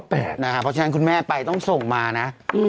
เพราะฉะนั้นคุณแม่ไปต้องส่งมานะ